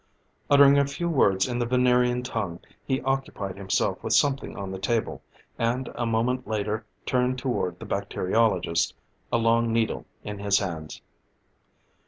Uttering a few words in the Venerian tongue, he occupied himself with something on the table, and a moment later turned toward the bacteriologist, a long needle in his hands.